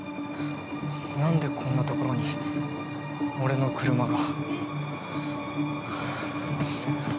なんでこんなところに俺の車が。